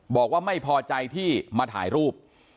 บอกว่าไม่พอใจที่มาถ่ายรูป